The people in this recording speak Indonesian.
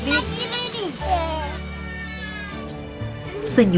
baju sama siapa